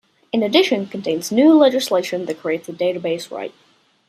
In addition, contains new legislation that creates a database right.